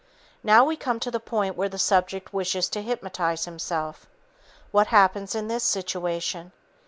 Now we come to the point where the subject wishes to hypnotize himself. What happens in this situation?